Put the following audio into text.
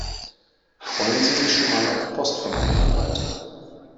Freuen Sie sich schon mal auf Post von meinem Anwalt!